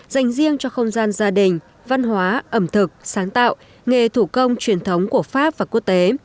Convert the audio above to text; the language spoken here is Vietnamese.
dành riêng cho không gian gia đình văn hóa ẩm thực sáng tạo nghề thủ công truyền thống của pháp và quốc tế